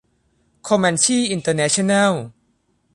โคแมนชี่ อินเตอร์เนชั่นแนล